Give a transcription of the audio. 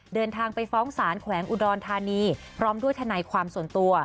เดินทางไปฟ้องศาลแขวงอุดรธานีพร้อมด้วยทนายความส่วนตัว